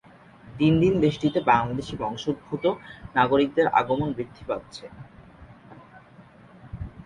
দিন দিন দেশটিতে বাংলাদেশি বংশোদ্ভূত নাগরিকদের আগমন বৃদ্ধি পাচ্ছে।